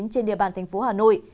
trên địa bàn tp hà nội